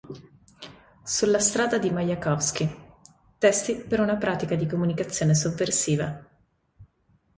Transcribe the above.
Sulla strada di Majakovskij: testi per una pratica di comunicazione sovversiva".